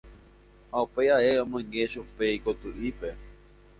Ha upéi ae omoinge chupe ikoty'ípe.